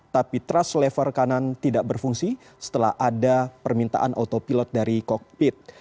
tapi trust lever kanan tidak berfungsi setelah ada permintaan autopilot dari kokpit